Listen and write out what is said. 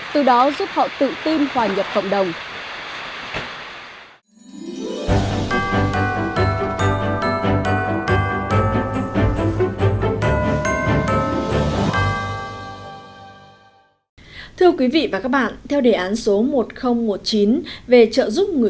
từ đó giúp họ tự tin hòa nhập cộng đồng